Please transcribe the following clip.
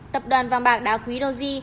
tập đoàn vàng bạc đa quý doji